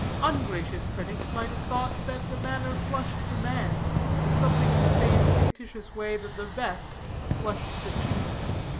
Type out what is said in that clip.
Ungracious critics might have thought that the manner flushed the man, something in the same fictitious way that the vest flushed the cheek.